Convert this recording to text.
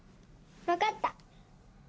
分かった。